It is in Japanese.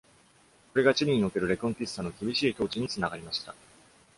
これが、チリにおけるレコンキスタの厳しい統治につながりました。